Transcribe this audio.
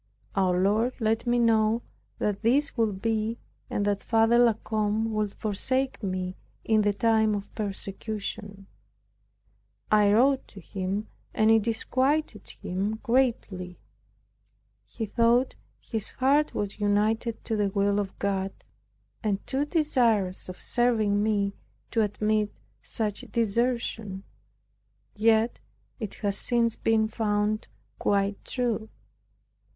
Our Lord let me know that this would be and that Father La Combe would forsake me in the time of persecution. I wrote to him, and it disquieted him greatly. He thought his heart was united to the will of God and too desirous of serving me, to admit such desertion; yet it has since been found quite true.